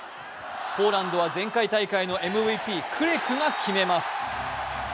ポーランドは前回大会のＭＶＰクレクが決めます。